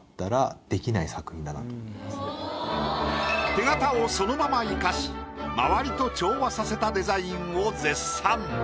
手形をそのまま生かし周りと調和させたデザインを絶賛。